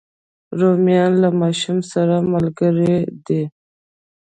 رومیان له ماشوم سره ملګري دي